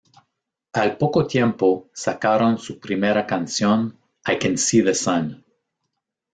Al poco tiempo sacaron su primera canción "I Can See the Sun".